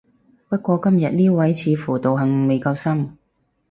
不過今日呢位似乎道行未夠深